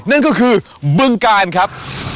นั่นคือเบิ้งกานครับ